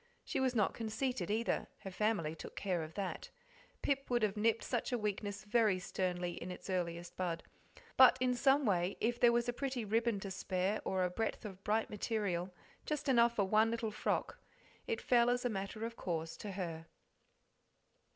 She was not conceited either, her family took care of that Pip would have nipped such a weakness very sternly in its earliest bud; but in some way if there was a pretty ribbon to spare, or a breadth of bright material; just enough for one little frock, it fell as a matter of course to her.